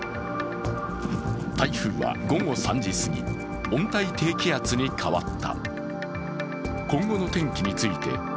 台風は午後３時過ぎ、温帯低気圧に変わった。